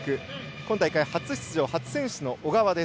今大会初出場、初選出の小川。